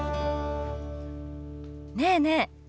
ねえねえ